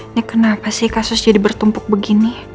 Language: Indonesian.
ini kenapa sih kasus jadi bertumpuk begini